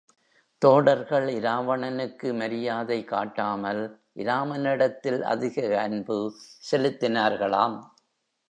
தோடர்கள் இராவணனுக்கு மரியாதை காட்டாமல், இராமனிடத்தில் அதிக அன்பு செலுத்தினார்களாம்.